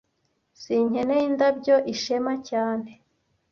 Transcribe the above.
sinkeneye indabyo ishema cyane